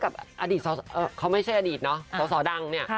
เพราะว่าแม่โดนคนพูดอย่างนี้